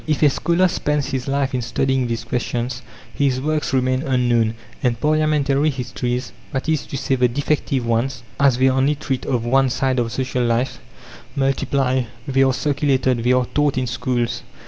If a scholar spends his life in studying these questions, his works remain unknown, and parliamentary histories that is to say, the defective ones, as they only treat of one side of social life multiply; they are circulated, they are taught in schools.